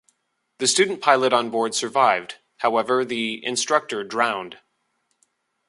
The student pilot on board survived, however, the instructor drowned.